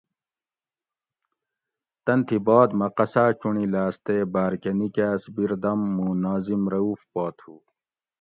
تن تھی باد مٞہ قصاٞ چُنڑی لاٞس تے باٞر کٞہ نِکاٞس بیردم مُوں ناظِم رؤف پا تھُو